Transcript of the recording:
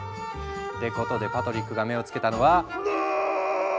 ってことでパトリックが目を付けたのは。